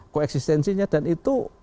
koeksistensinya dan itu